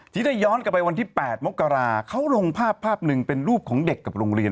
ที่ได้ย้อนกลับไปวันที่๘มกราเขาลงภาพภาพหนึ่งเป็นรูปของเด็กกับโรงเรียน